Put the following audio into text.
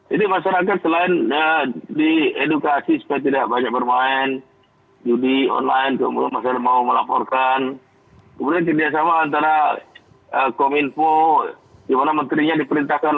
jadi masyarakat selain di edukasi supaya tidak banyak bermain